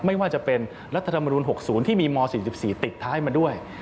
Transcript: ไม่ว่าจะเป็นรัฐธรรมนูล๖๐ที่มีม๔๔ติดท้ายมาด้วย